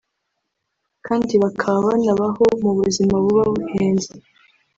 kandi bakaba banabaho mu buzima buba buhenze